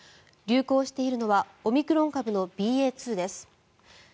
流行しているのはオミクロン株のＢＡ．２です。